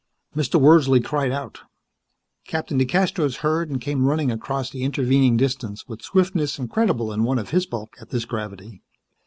Mr. Wordsley cried out. Captain DeCastros heard and came running across the intervening distance with swiftness incredible in one of his bulk at this gravity.